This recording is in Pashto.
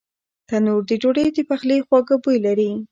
تنور د ډوډۍ د پخلي خواږه بوی لري